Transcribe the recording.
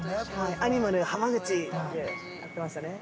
◆アニマル浜口、なんてやってましたね。